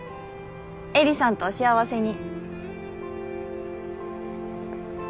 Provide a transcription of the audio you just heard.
絵里さんとお幸せに！